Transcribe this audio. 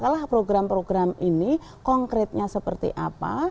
kalah program program ini konkretnya seperti apa